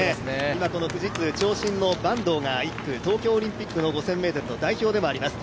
今、富士通、長身の坂東が東京オリンピックの５０００ｍの代表でもあります。